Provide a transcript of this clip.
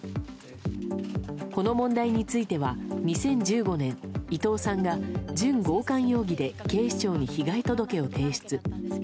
この問題については２０１５年伊藤さんが準強姦容疑で警視庁に被害届を提出。